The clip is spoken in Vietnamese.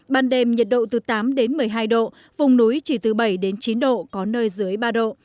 ban đêm nhiệt độ từ tám đến một mươi hai độ vùng núi chỉ từ bảy đến chín độ có nơi dưới ba độ